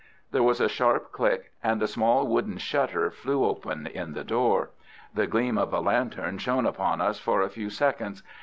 There was a sharp click, and a small wooden shutter flew open in the door. The gleam of a lantern shone upon us for a few seconds.